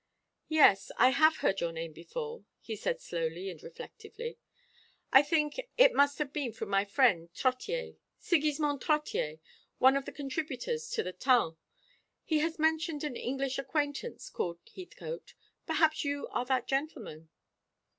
"Yes, I have heard your name before," he said slowly and reflectively. "I think it must have been from my friend Trottier, Sigismond Trottier, one of the contributors to the Taon. He has mentioned an English acquaintance called Heathcote. Perhaps you are that gentleman?"